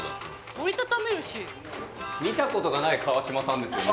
折り畳めるし見たことがない川島さんですよね